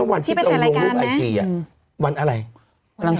อันคารที่ผ่านมานี่เองไม่กี่วันนี่เอง